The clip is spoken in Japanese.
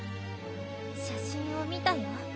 写真を見たよ。